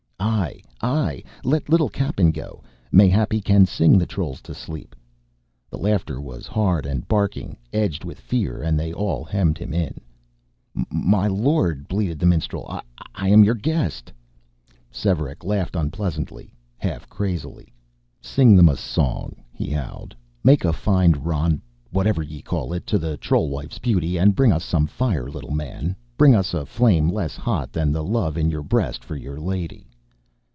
"Aye, aye let little Cappen go mayhap he can sing the trolls to sleep " The laughter was hard and barking, edged with fear, and they all hemmed him in. "My lord!" bleated the minstrel. "I am your guest " Svearek laughed unpleasantly, half crazily. "Sing them a song," he howled. "Make a fine roun whatever ye call it to the troll wife's beauty. And bring us some fire, little man, bring us a flame less hot than the love in yer breast for yer lady!"